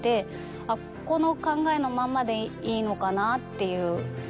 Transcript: あっこの考えのままでいいのかなっていう。